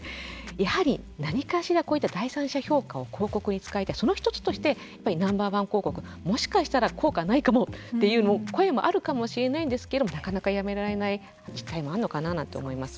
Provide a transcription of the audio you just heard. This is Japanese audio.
やはり何かしら第三者評価を広告に使いたいその一つとしてＮｏ．１広告もしかしたら効果がないかもという声もあるかもしれないですけれどもなかなかやめられない実態もあるのかなと思います。